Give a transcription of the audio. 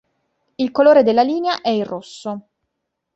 Il colore della linea è il rosso.